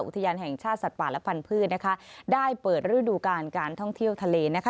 อุทยานแห่งชาติสัตว์ป่าและพันธุ์นะคะได้เปิดฤดูการการท่องเที่ยวทะเลนะคะ